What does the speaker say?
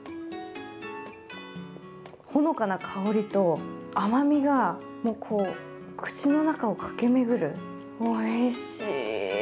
ほのかな香りと甘みが口の中を駆け巡る、おいしい！